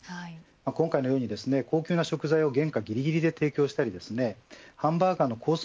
今回のように高級な食材を原価ぎりぎりで提供したりハンバーガーのコース